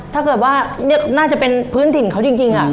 ถ้าเกิดว่าน่าจะเป็นพื้นถิ่นเขาจริง